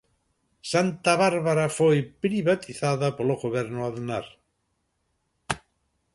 Santa Bárbara foi privatizada polo Goberno Aznar.